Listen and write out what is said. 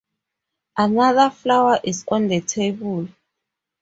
Another flower is on the table.